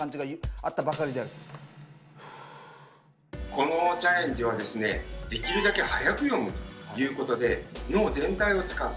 このチャレンジはですねできるだけ速く読むということで脳全体を使う。